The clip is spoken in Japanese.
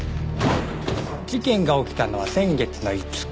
事件が起きたのは先月の５日。